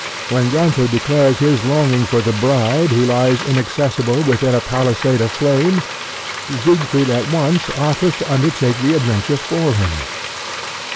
When Gunther declares his longing for the bride who lies inaccessible within a palisade of flame, Siegfried at once offers to undertake the adventure for him.